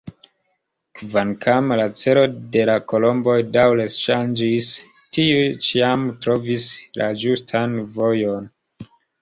Kvankam la celo de la kolomboj daŭre ŝanĝis, tiuj ĉiam trovis la ĝustan vojon.